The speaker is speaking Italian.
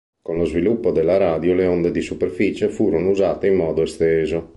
Con lo sviluppo della radio, le onde di superficie furono usate in modo esteso.